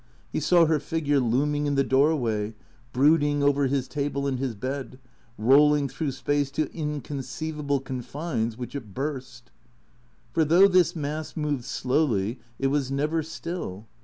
He saw her figure looming in the doorway, brooding over his table and his bed, rolling through space to inconceivable confines which it burst. For though this mass moved slowly, it was never still.